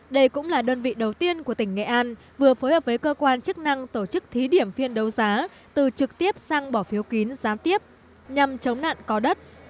đây cũng là đơn vị đầu tiên của tỉnh nghệ an vừa phối hợp với cơ quan chức năng tổ chức thí điểm phiên đấu giá từ trực tiếp sang bỏ phiếu kín gián tiếp nhằm chống nạn có đất